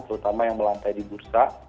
terutama yang melantai di bursa